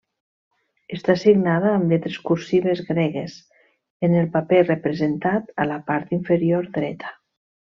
Està signada amb lletres cursives gregues, en el paper representat a la part inferior dreta.